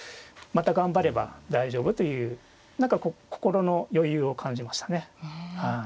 また頑張れば大丈夫という何か心の余裕を感じましたね。